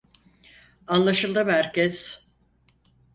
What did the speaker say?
Anlaşıldı merkez.